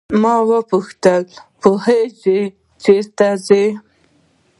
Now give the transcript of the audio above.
ما وپوښتل ته پوهیږې چې چیرې ځې.